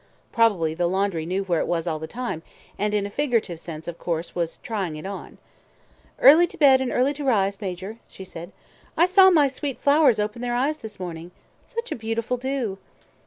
(Probably the laundry knew where it was all the time, and in a figurative sense, of course was "trying it on".) "Early to bed and early to rise, Major," she said. "I saw my sweet flowers open their eyes this morning! Such a beautiful dew!"